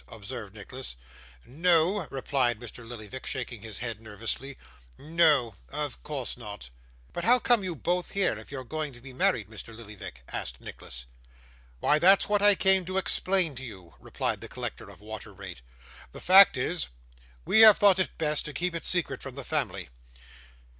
observed Nicholas. 'No,' replied Mr. Lillyvick, shaking his head nervously: 'no of course not.' 'But how come you both here, if you're going to be married, Mr Lillyvick?' asked Nicholas. 'Why, that's what I came to explain to you,' replied the collector of water rate. 'The fact is, we have thought it best to keep it secret from the family.